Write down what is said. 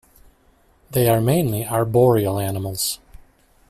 They are mainly arboreal animals.